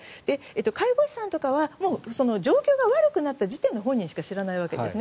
介護士さんとかはもう状況が悪くなった時点の本人しか知らないわけです。